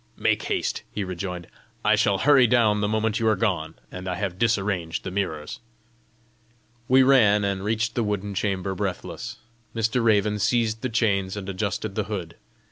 "Make haste!" he rejoined. "I shall hurry down the moment you are gone, and I have disarranged the mirrors." We ran, and reached the wooden chamber breathless. Mr. Raven seized the chains and adjusted the hood.